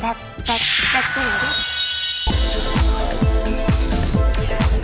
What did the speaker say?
หุ่นเสียเปรียเวิร์ด